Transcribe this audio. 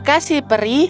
terima kasih peri